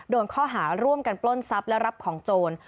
โดนข้อหาร่วมกันปล้นทรัพย์และรับของโจร